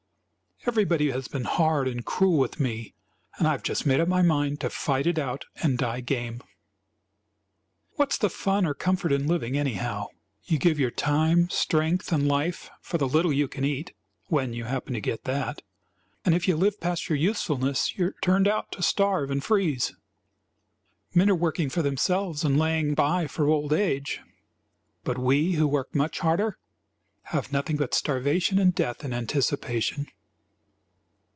Everybody has been hard and cruel with me, and I have just made up my mind to fight it out and die game. "What's the fun or comfort in living, anyhow? You give your time, strength and life for the little you can eat (when you happen to get that), and if you live past your usefulness you're turned out to starve and freeze. Men are working for themselves and laying by for old age, but we, who work much harder, have nothing but starvation and death in anticipation.